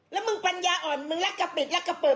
แล้วมึงปัญญาอ่อนมึงรักกะปิดรักกะปิ